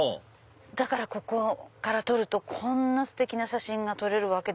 だからここから撮るとこんなステキな写真が撮れる。